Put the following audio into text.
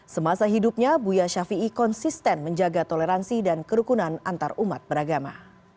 semasa hidupnya buya shafi'i konsisten menjaga toleransi dan kerukunan antarumat beragama